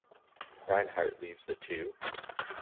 Reinhardt leaves the two.